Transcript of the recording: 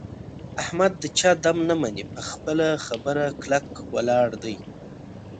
احمد د چا دم نه مني. په خپله خبره کلک ولاړ دی.